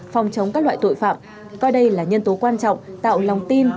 phòng chống các loại tội phạm coi đây là nhân tố quan trọng tạo lòng tin